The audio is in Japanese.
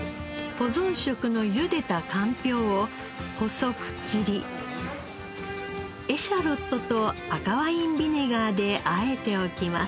保存食のゆでたかんぴょうを細く切りエシャロットと赤ワインビネガーであえておきます。